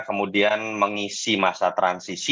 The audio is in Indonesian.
kemudian mengisi masa transisi